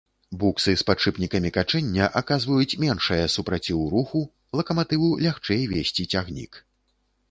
Буксы з падшыпнікамі качэння аказваюць меншае супраціў руху, лакаматыву лягчэй везці цягнік.